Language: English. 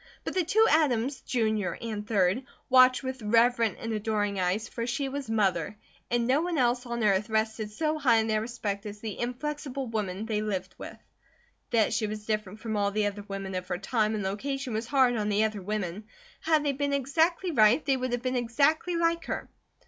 But the two Adams, Jr. and 3d, watched with reverent and adoring eyes, for she was MOTHER, and no one else on earth rested so high in their respect as the inflexible woman they lived with. That she was different from all the other women of her time and location was hard on the other women. Had they been exactly right, they would have been exactly like her.